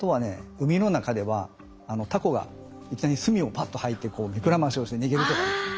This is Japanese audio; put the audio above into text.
海の中ではタコがいきなり墨をパッと吐いて目くらましをして逃げるとかね。